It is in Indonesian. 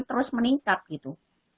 terus meningkat gitu